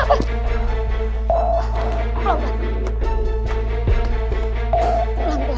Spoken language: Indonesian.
bobo tidak berhasil